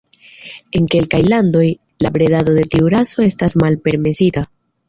En kelkaj landoj, la bredado de tiu raso estas malpermesita.